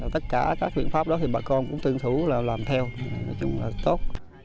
tất cả các chuyện pháp đó thì bà con cũng tương thủ làm theo nói chung là tốt